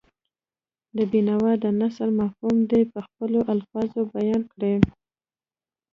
د بېنوا د نثر مفهوم دې په خپلو الفاظو بیان کړي.